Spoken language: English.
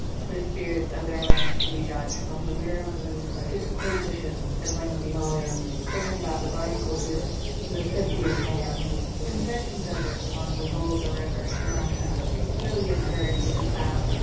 The spirit of their learning can be judged from the wearisome disquisitions and lengthy volumes written about the Barnacle Goose and Scythian Lamb. In certain deserts along the Volga River in Russia, a peculiar fern may be found.